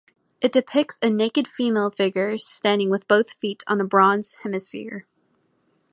It depicts a naked female figure standing with both feet on a bronze hemisphere.